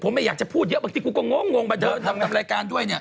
ผมไม่อยากจะพูดเยอะบางทีกูก็งงมาเดินทำกับรายการด้วยเนี่ย